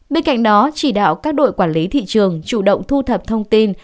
bên cạnh đó chỉ đạo các đội quản lý thị trường chủ động thu thập thông tin